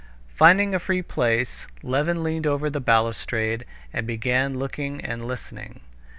Finding a free place, Levin leaned over the balustrade and began looking and listening.